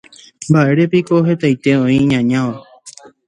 Mba'érepiko hetaite oĩ iñañáva.